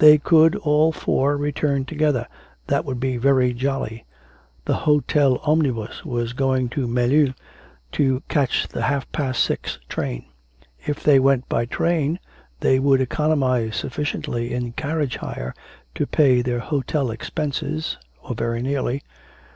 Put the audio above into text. They could all four return together, that would be very jolly. The hotel omnibus was going to Melun to catch the half past six train. If they went by train they would economise sufficiently in carriage hire to pay their hotel expenses, or very nearly.